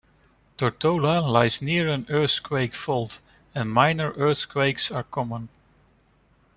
Tortola lies near an earthquake fault, and minor earthquakes are common.